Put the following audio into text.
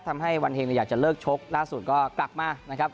ทำให้วันเฮงอยากจะเลิกชกล่าสุดก็กลับมานะครับ